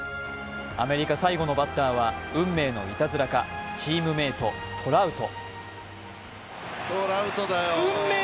アメリカ最後のバッターは運命のいたずらか、チームメート、トラウト。